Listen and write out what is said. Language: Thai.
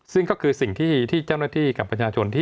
ซึ่งก็คือสิ่งที่เจ้าหน้าที่กับประชาชนที่